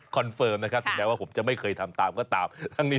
เฟิร์มนะครับถึงแม้ว่าผมจะไม่เคยทำตามก็ตาม